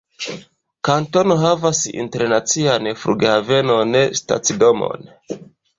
Kantono havas internacian flughavenon, stacidomon.